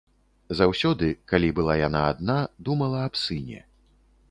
Заўсёды, калі была яна адна, думала аб сыне.